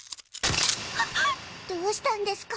どうしたんですか？